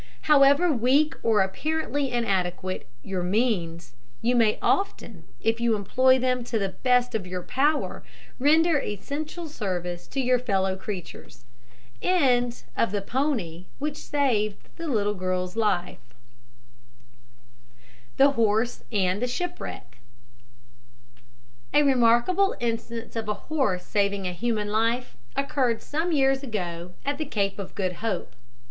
However weak or apparently inadequate your means, you may often, if you employ them to the best of your power, render essential service to your fellow creatures. THE HORSE AND THE SHIPWRECK. A remarkable instance of a horse saving human life occurred some years ago at the Cape of Good Hope.